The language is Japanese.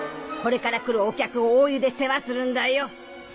これから来るお客を大湯で世話するんだよ。